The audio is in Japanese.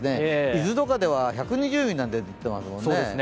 伊豆とかでは１２０ミリなんて出てますもんね。